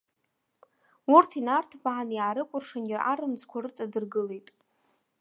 Урҭ инарҭбаан, иаарыкәыршан арымӡқәа рыҵадыргылеит.